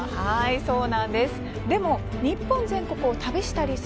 そうなんです。